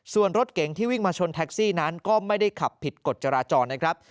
ส่วนรถเก๋งที่วิ่งมาชนแท็กซี่นั้นก็ไม่ได้ขับผิดกฎจราจรนะครับ